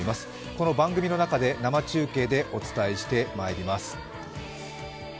この番組の中で生中継でお伝えしてまいります。